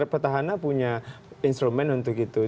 petahana punya instrumen untuk itu